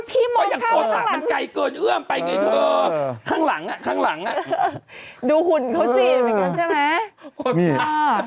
พี่มอตข้างหลังโฮตะมันไกลเกินเอื้อมไปไงเธอดูหุ่นเขาสิเหมือนกันใช่ไหม